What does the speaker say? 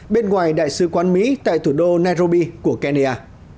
bên ngoài đại sứ quán mỹ tại thủ đô nairobi của kenya